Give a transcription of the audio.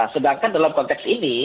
sedangkan dalam konteks ini